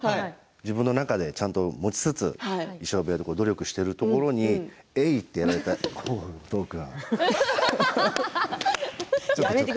自分の中で持ちつつ衣装部屋で努力しているところにえいってやられてもう、音尾君、って。